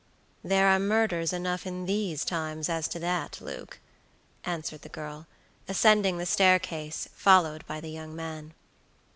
"There are murders enough in these times, as to that, Luke," answered the girl, ascending the staircase, followed by the young man.